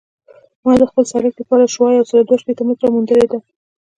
ما د خپل سرک لپاره شعاع یوسل دوه شپیته متره موندلې ده